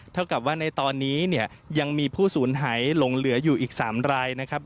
เท่ากับว่าในตอนนี้เนี่ยยังมีผู้สูญหายหลงเหลืออยู่อีก๓รายนะครับ